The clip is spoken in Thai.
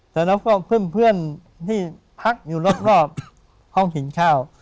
แต่แล้วก็เพื่อนที่พักอยู่รอบห้องกินข้าว